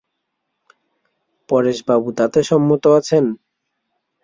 পরেশবাবু তাতে সম্মত আছেন?